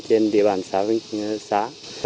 trên địa bàn xã